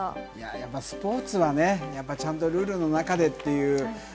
やっぱりスポーツはね、ちゃんとルールの中でっていう。